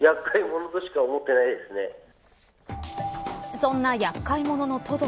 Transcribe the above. そんな厄介者のトド。